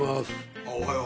ああおはよう。